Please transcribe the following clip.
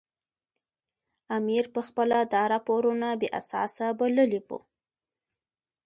امیر پخپله دا راپورونه بې اساسه بللي وو.